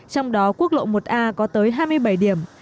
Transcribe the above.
trong đó quốc lộ một a có tới hai mươi bảy điểm